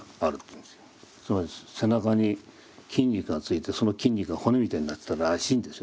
つまり背中に筋肉がついてその筋肉が骨みたいになってたらしいんですよ。